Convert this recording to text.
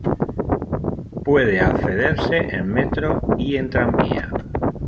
Puede accederse en metro y en tranvía.